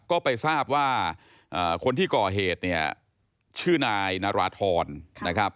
ก็ไปทราบว่าคนที่ก่อเหตุเนี่ยชื่อนายนาราธรนะครับ